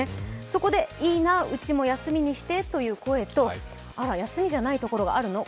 そこでいいな、うちも休みにしてという声とあら休みじゃないところがあるの？